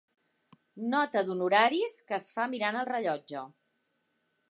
Nota d'honoraris que es fa mirant al rellotge.